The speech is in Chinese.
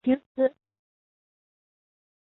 丘行恭之子。